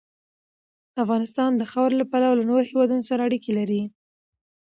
افغانستان د خاورې له پلوه له نورو هېوادونو سره اړیکې لري.